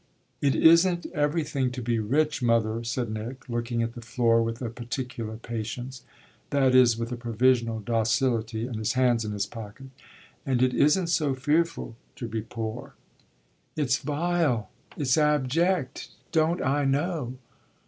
"It isn't everything to be rich, mother," said Nick, looking at the floor with a particular patience that is with a provisional docility and his hands in his pockets. "And it isn't so fearful to be poor." "It's vile it's abject. Don't I know?"